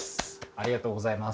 ありがとうございます。